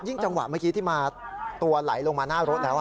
จังหวะเมื่อกี้ที่มาตัวไหลลงมาหน้ารถแล้ว